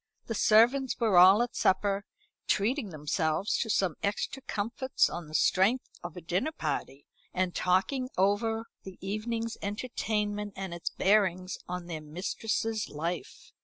The servants were all at supper, treating themselves to some extra comforts on the strength of a dinner party, and talking over the evening's entertainment and its bearings on their mistress's life.